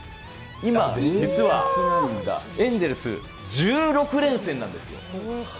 今、実はエンゼルス１６連戦なんですよ。